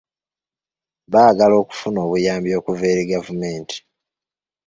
Baagala kufuna buyambi okuva eri gavumenti.